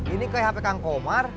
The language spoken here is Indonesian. ini ke hp kang komar